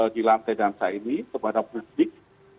di lantai dansa ini kepada publik